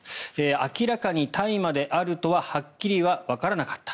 明らかに大麻であるとははっきりはわからなかった。